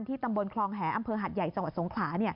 ตำบลคลองแหอำเภอหัดใหญ่จังหวัดสงขลา